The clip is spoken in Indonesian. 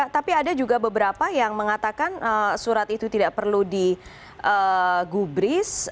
tapi ada juga beberapa yang mengatakan surat itu tidak perlu digubris